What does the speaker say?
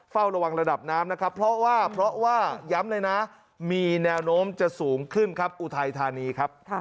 เฝ้าระวังระดับน้ำนะครับเพราะว่าเพราะว่าย้ำเลยนะมีแนวโน้มจะสูงขึ้นครับอุทัยธานีครับ